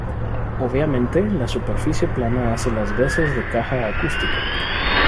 Obviamente, la superficie plana hace las veces de caja acústica.